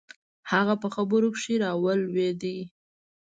هغه په خبرو کښې راولويد.